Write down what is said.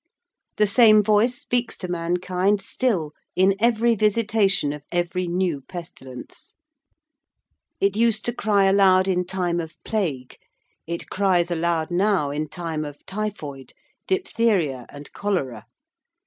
The same voice speaks to mankind still in every visitation of every new pestilence. It used to cry aloud in time of Plague: it cries aloud now in time of typhoid, diphtheria, and cholera.